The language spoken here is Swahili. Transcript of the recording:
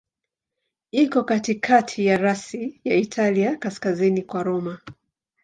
Iko katikati ya rasi ya Italia, kaskazini kwa Roma.